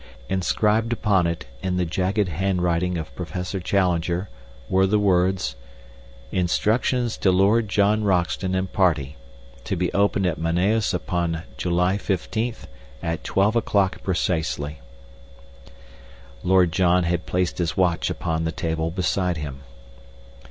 Inscribed upon it, in the jagged handwriting of Professor Challenger, were the words: "Instructions to Lord John Roxton and party. To be opened at Manaos upon July 15th, at 12 o'clock precisely." Lord John had placed his watch upon the table beside him.